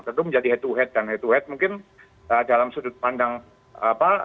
tentu menjadi head to head dan head to head mungkin dalam sudut pandang apa